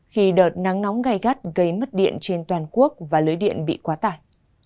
khi đợt nắng nóng gai gắt gây mất điện trên toàn quốc và lưới điện bị quá tải